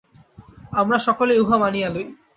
আমরা সকলেই উহা মানিয়া লই।